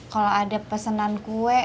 kalau ada pesanan kue